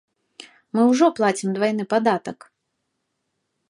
Мы ўжо плацім двайны падатак.